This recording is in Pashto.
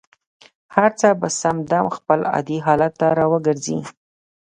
هر څه به سم دم خپل عادي حالت ته را وګرځي.